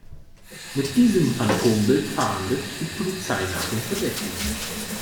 Mit diesem Phantombild fahndet die Polizei nach dem Verdächtigen.